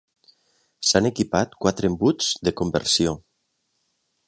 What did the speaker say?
S'han equipat quatre embuts de conversió.